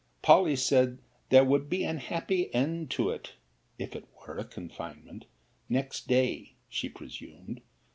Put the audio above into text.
Polly said there would be an happy end to it (if it were a confinement,) next day, she presumed.